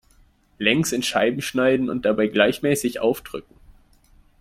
Längs in Scheiben schneiden und dabei gleichmäßig aufdrücken.